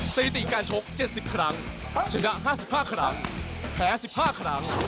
สถิติการชก๗๐ครั้งชนะ๕๕ครั้งแพ้๑๕ครั้ง